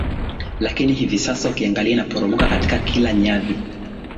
lakini hivi sasa ukiangalia inaporomoka katika kila nyadhi